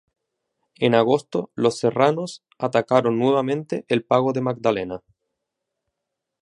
En agosto los serranos atacaron nuevamente el pago de Magdalena.